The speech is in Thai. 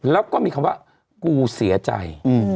แล้วก็มีคำว่ากูเสียใจ